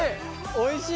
おいしい！